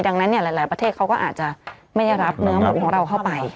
ดังนั้นหลายประเทศเขาก็อาจจะไม่ได้รับเนื้อหมูของเราเข้าไป